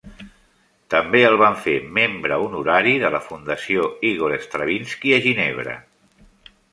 També el van fer membre honorari de la fundació Igor Stravinsky a Ginebra.